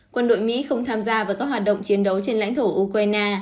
quân đội mỹ không tham gia vào các hoạt động chiến đấu trên lãnh thổ ukraine